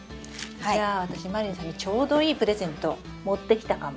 じゃあ私満里奈さんにちょうどいいプレゼント持ってきたかも。